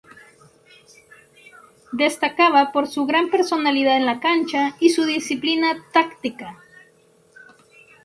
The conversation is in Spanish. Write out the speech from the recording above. Destacaba por su gran personalidad en la cancha y su disciplina táctica.